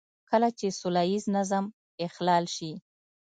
کله چې سوله ييز نظم اخلال شي.